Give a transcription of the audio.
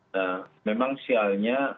nah memang sialnya